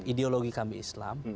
ideologi kami islam